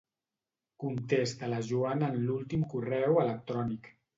Contesta a la Joana en l'últim correu electrònic.